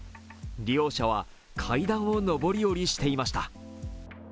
利用者は階段を上り下りしていました。